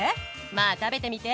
まあ食べてみて！